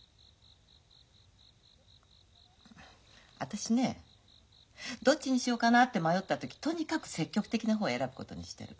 私ねどっちにしようかなって迷った時とにかく積極的な方を選ぶことにしてる。